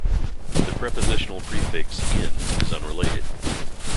The prepositional prefix "in-" is unrelated.